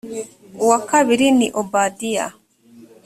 uwa kabiri ni obadiya